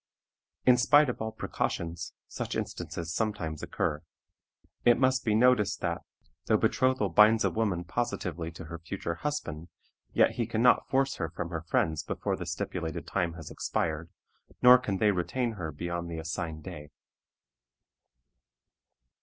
In spite of all precautions, such instances sometimes occur. It must be noticed that, though betrothal binds a woman positively to her future husband, yet he can not force her from her friends before the stipulated time has expired, nor can they retain her beyond the assigned day.